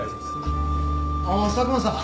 あっ佐久間さん。